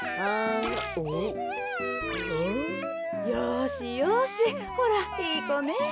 よしよしほらいいこね。